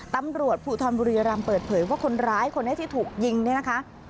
ตำรวจภูทรบุรีรำเปิดเผยว่าคนร้ายคนนี้ที่ถูกยิงเนี่ยนะคะ